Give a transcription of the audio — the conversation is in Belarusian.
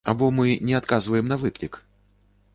Або мы не адказваем на выклік?